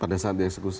pada saat dieksekusi